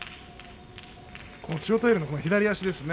千代大龍の左足ですね